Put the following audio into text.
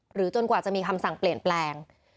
จนกว่าจะมีคำสั่งเปลี่ยนแปลง